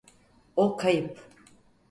O kayıp.